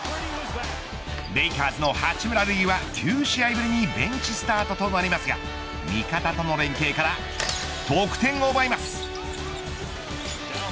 レイカーズの八村塁は９試合ぶりにベンチスタートとなりますが味方との連係から得点を奪います。